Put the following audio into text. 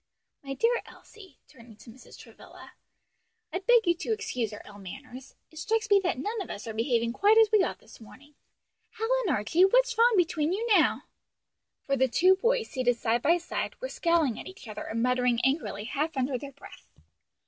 My dear Elsie," turning to Mrs. Travilla, "I beg you to excuse our ill manners. It strikes me that none of us are behaving quite as we ought this morning. Hal and Archie, what's wrong between you now?" For the two boys, seated side by side, were scowling at each other, and muttering angrily half under their breath.